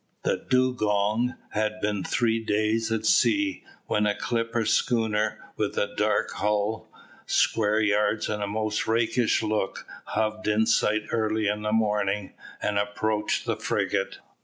The Dugong had been three days at sea, when a clipper schooner, with dark hull, square yards, and a most rakish look, hove in sight early in the morning, and approached the frigate.